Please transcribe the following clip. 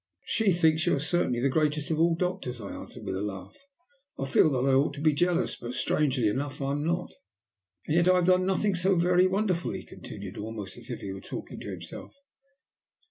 "She thinks you are certainly the greatest of all doctors," I answered, with a laugh. "I feel that I ought to be jealous, but strangely enough I'm not." "And yet I have done nothing so very wonderful," he continued, almost as if he were talking to himself.